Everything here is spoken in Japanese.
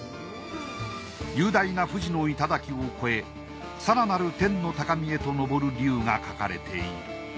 雄大な富士の頂を越え更なる天の高みへと昇る龍が描かれている。